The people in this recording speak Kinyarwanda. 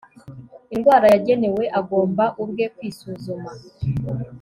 Indwara yagenewe agomba ubwe kwisuzuma